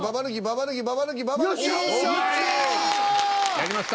やりました。